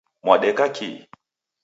Mwadeka kii?